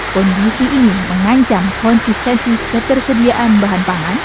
kondisi ini mengancam konsistensi ketersediaan bahan pangan